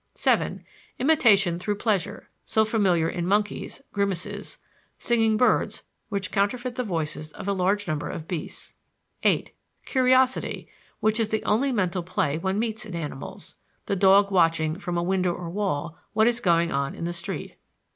(7) Imitation through pleasure, so familiar in monkeys (grimaces); singing birds which counterfeit the voices of a large number of beasts. (8) Curiosity, which is the only mental play one meets in animals the dog watching, from a wall or window, what is going on in the street.